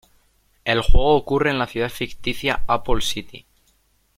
El juego ocurre en la Ciudad Ficticia Apple City.